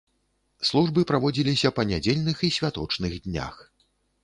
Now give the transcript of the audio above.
Службы праводзіліся па нядзельных і святочных днях.